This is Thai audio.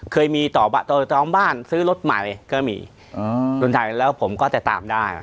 เคยมีต่อจองบ้านซื้อรถใหม่ก็มีคนไทยแล้วผมก็จะตามได้